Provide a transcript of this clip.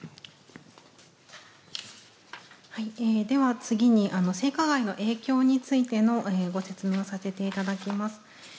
では次に、性加害の影響についてのご説明をさせていただきます。